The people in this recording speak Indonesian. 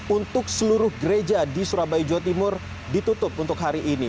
untuk seluruh gereja di surabaya jawa timur ditutup untuk hari ini